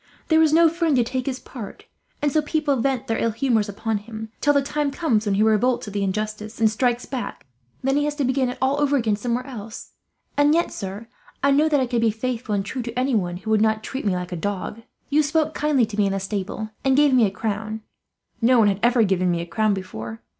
There is no friend to take his part, and so people vent their ill humours upon him, till the time comes when he revolts at the injustice and strikes back; and then he has to begin it all over again, somewhere else. "And yet, sir, I know that I could be faithful and true to anyone who would not treat me like a dog. You spoke kindly to me in the stable, and gave me a crown. No one had ever given me a crown before.